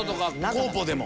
コーポでも。